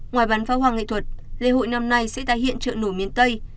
ngoài bắn pháo hoang nghệ thuật lễ hội năm nay sẽ tái hiện trợ nổi miên tây